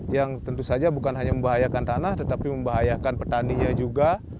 yang tentu saja bukan hanya membahayakan tanah tetapi membahayakan petaninya juga